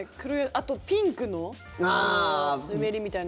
あと、ピンクのぬめりみたいな。